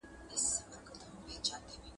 سفیران څنګه په بهرنیو چارو کي خپلواکي ساتي؟